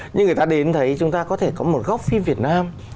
nhưng người ta đến thấy chúng ta có thể có một góc phim việt nam